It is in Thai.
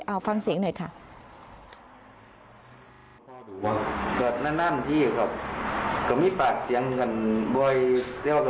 เอาฟังเสียงหน่อยค่ะ